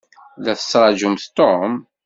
La tettṛaǧumt Tom?